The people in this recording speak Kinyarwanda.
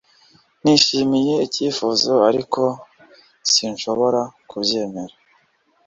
Nishimiye icyifuzo ariko sinshobora kubyemera